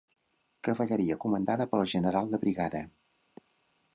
Cavalleria comandada pel General de Brigada.